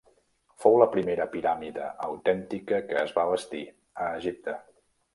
Fou la primera piràmide autèntica que es va bastir a Egipte.